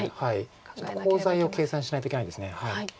ちょっとコウ材を計算しないといけないです。